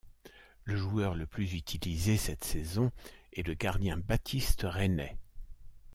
Le joueur le plus utilisé cette saison est le gardien Baptiste Reynet.